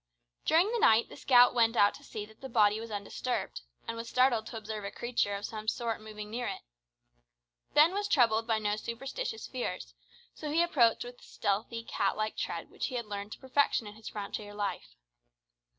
During the night the scout went out to see that the body was undisturbed, and was startled to observe a creature of some sort moving near it. Ben was troubled by no superstitious fears, so he approached with the stealthy, cat like tread which he had learned to perfection in his frontier life.